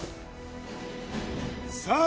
さあ